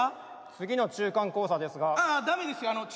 次の中間考査ですが。